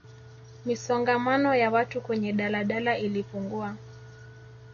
misongamano ya watu kwenye daladala ilipungua